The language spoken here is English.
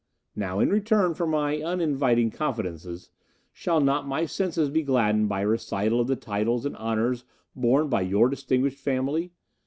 "Now, in return for my uninviting confidences, shall not my senses be gladdened by a recital of the titles and honours borne by your distinguished family?